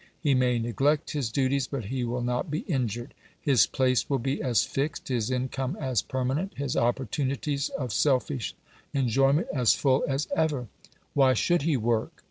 He may neglect his duties, but he will not be injured. His place will be as fixed, his income as permanent, his opportunities of selfish enjoyment as full as ever. Why should he work?